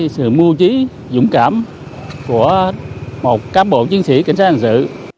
sự mưu trí dũng cảm của một cám bộ chiến sĩ cảnh sát hành sự